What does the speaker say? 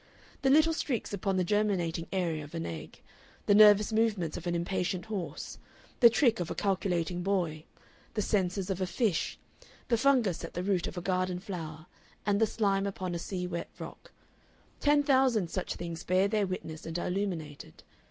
The little streaks upon the germinating area of an egg, the nervous movements of an impatient horse, the trick of a calculating boy, the senses of a fish, the fungus at the root of a garden flower, and the slime upon a sea wet rock ten thousand such things bear their witness and are illuminated.